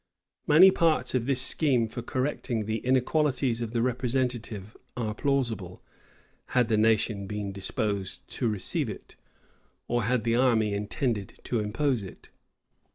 Many parts of this scheme for correcting the inequalities of the representative, are plausible; had the nation been disposed to receive it, or had the army intended to impose it.